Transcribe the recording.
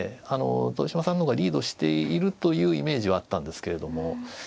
豊島さんの方がリードしているというイメージはあったんですけれども。